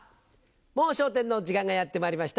『もう笑点』の時間がやってまいりました。